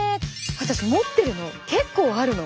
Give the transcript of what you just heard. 私持ってるの結構あるの。